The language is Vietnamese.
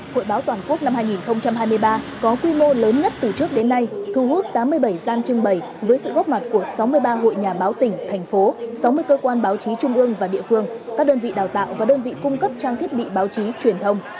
hội báo toàn quốc năm hai nghìn hai mươi ba có quy mô lớn nhất từ trước đến nay thu hút tám mươi bảy gian trưng bày với sự góp mặt của sáu mươi ba hội nhà báo tỉnh thành phố sáu mươi cơ quan báo chí trung ương và địa phương các đơn vị đào tạo và đơn vị cung cấp trang thiết bị báo chí truyền thông